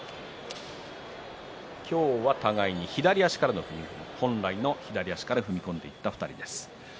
今日は互いに左足からの踏み込み本来の左足から踏み込んでいった２人です。